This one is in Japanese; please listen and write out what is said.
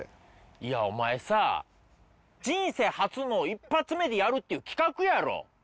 いやお前さ人生初の一発目でやるっていう企画やろ。